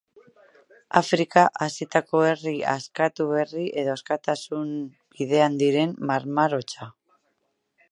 Afrika-Asietako herri askatu berri edo askatasun bidean direnen marmar hotsa.